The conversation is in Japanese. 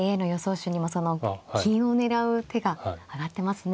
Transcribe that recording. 手にもその金を狙う手が挙がってますね。